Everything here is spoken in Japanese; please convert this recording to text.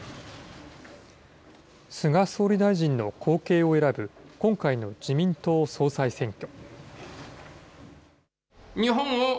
菅総理大臣の後継を選ぶ、今回の自民党総裁選挙。